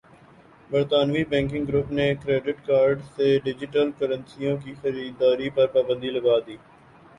برطانوی banking group نے credit card سے ڈیجیٹل کرنسیوں کی خریداری پرپابندی لگادی